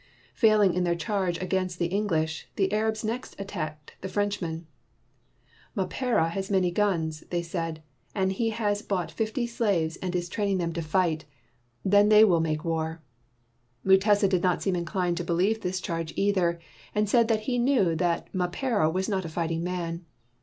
Failing in their charge against the Eng lish, the Arabs next attacked the French men. "Mapera has many guns," they said, "and has bought fifty slaves and is training 144 MUTESA AND MOHAMMEDANS them to fight. Then they will make war." Mutesa did not seem inclined to believe this charge either, and said that he knew that Mapera was not a fighting man.